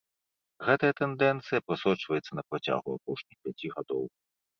Гэтая тэндэнцыя прасочваецца на працягу апошніх пяці гадоў.